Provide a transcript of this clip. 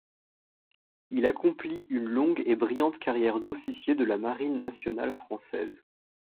Il accomplit une longue et brillante carrière d’officier de la marine nationale française.